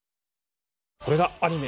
これがアニメ